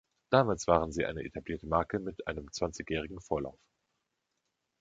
Damals waren sie eine etablierte Marke mit einem zwanzigjährigen Vorlauf.